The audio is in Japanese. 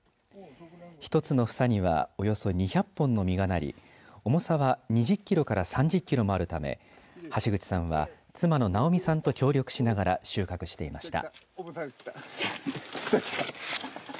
一つの房にはおよそ２００本の実がなり重さは２０キロから３０キロもあるため橋口さんは妻の直美さんと協力しながら収穫していました。